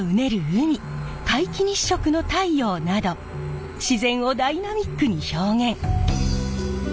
海皆既日食の太陽など自然をダイナミックに表現。